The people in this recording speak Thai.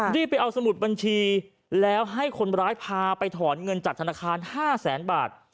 รีบไปเอาสมุดบัญชีแล้วให้คนร้ายพาไปถอนเงินจากธนาคาร๕แสนบาท